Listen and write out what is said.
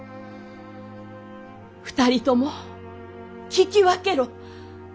２人とも聞き分けろ！